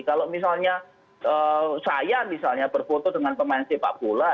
kalau misalnya saya misalnya berfoto dengan pemain sepak bola